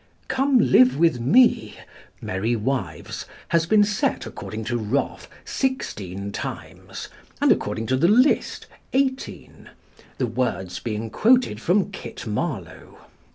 "Come live with me" (Merry Wives) has been set, according to Roffe, sixteen times, and according to the "List" eighteen the words being quoted from Kit Marlowe.